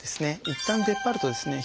いったん出っ張るとですね